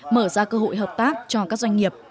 mở ra cơ hội hợp tác cho các doanh nghiệp